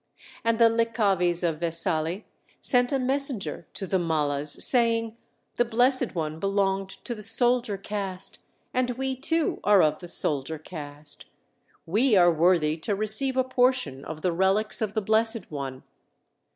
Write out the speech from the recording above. And the Likkhavis of Vesali sent a messenger to the Mallas, saying, "The Blessed One belonged to the soldier caste, and we too are of the soldier caste. We are worthy to receive a portion of the relics of the Blessed One.